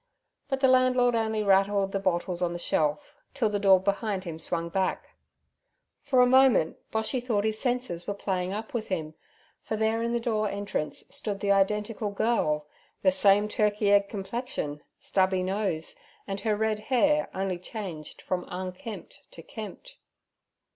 But the landlord only rattled the bottles on the shelf till the door behind him swung back. For a moment Boshy thought his senses were playing up with him, for there in the door entrance stood the identical girl—the same turkey egg complexion, stubby nose, and her red hair only changed from unkempt to kempt.